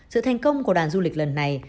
sự thành công của đoàn du lịch lần này